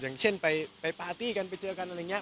อย่างเช่นไปปาร์ตี้กันไปเจอกันอะไรอย่างนี้